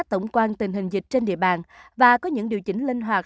tổng quan tình hình dịch trên địa bàn và có những điều chỉnh linh hoạt